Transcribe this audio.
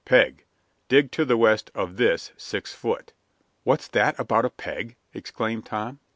Peg. Dig to the west of this six foot.'" "What's that about a peg?" exclaimed Tom.